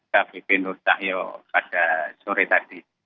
kbp nur cahyo pada sore tadi